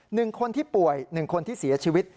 หนึ่งคนที่ป่วยหนึ่งคนที่เสียชีวิต